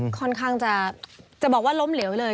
ค่อนข้างจะบอกว่าล้มเหลวเลย